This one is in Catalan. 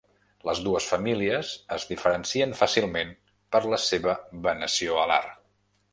Les dues famílies es diferencien fàcilment per la seva venació alar.